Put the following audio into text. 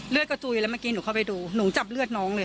กระจุยแล้วเมื่อกี้หนูเข้าไปดูหนูจับเลือดน้องเลย